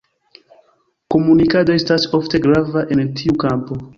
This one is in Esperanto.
Komunikado estas ofte grava en tiu kampo.